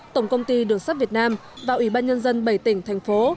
tổng công ty đường sắt việt nam và ủy ban nhân dân bảy tỉnh thành phố